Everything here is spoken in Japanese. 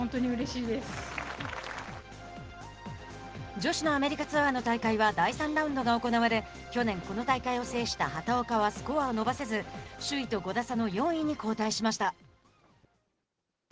女子のアメリカツアーの大会は第３ラウンドが行われ去年この大会を制した畑岡はスコアを伸ばせず、首位と５打差の４位に後退しました。